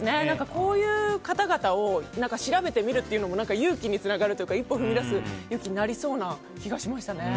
こういう方々を調べてみるっていうのも勇気につながるというか一歩踏み出す勇気になる気がしましたね。